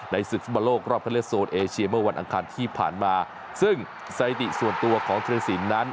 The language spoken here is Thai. ในศึกศุมรโลกรอบเข้าเรียกโซนเอเชียเมื่อวันอังคารที่ผ่านมาซึ่งสาธิติส่วนตัวของธีรศิลป์นั้น